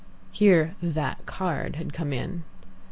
Here "that card" had come in.